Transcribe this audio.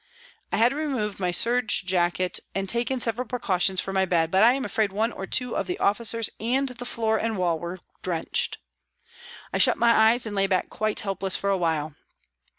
I had removed my serge jacket and taken several precautions for my bed, but I am afraid one or two of the officers and the floor and wall were drenched. I shut my eyes and lay back quite helpless for a while.